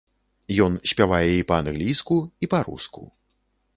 Ён спявае і па-англійску, і па-руску.